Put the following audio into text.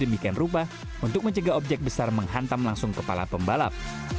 halo juga didesain dengan bentuk sedemikian rupa untuk mencegah objek besar menghantam langsung kepala pembalap